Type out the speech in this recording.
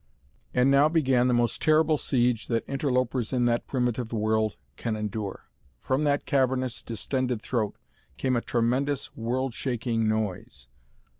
And now began the most terrible siege that interlopers in that primitive world can endure. From that cavernous, distended throat came a tremendous, world shaking noise.